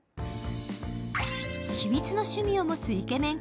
秘密の趣味を持つイケメン